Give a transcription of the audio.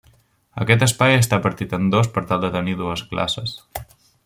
Aquest espai està partit en dos per tal de tenir dues classes.